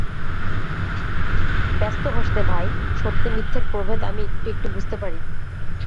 ব্যস্ত হোস নে ভাই, সত্যমিথ্যের প্রভেদ আমি একটু একটু বুঝতে পারি।